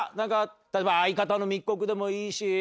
例えば相方の密告でもいいし。